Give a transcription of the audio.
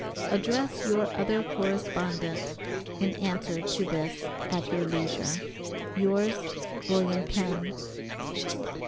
Address your other correspondent in answer to this at your leisure. Yours, WM. PENN.